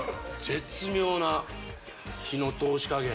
絶妙な火の通し加減